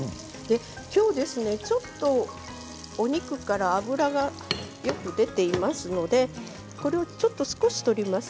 きょう、ちょっとお肉から脂がよく出ていますのでこれをちょっと少し取ります。